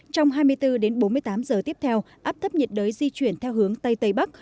trong hai mươi bốn đến bốn mươi tám giờ tiếp theo áp thấp nhiệt đới di chuyển theo hướng tây tây bắc